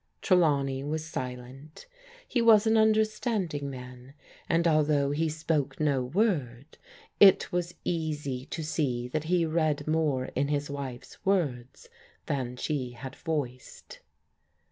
Trelawney was silent. He was an understanding man, and although he spoke no word, it was easy to see that he read more in his wife's words than she had voiced.